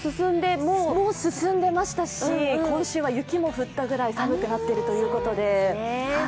もう進んでましたし、今週は雪も降ったぐらい寒くなっているということで。